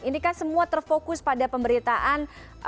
ini kan semua terfokus pada pemberitaan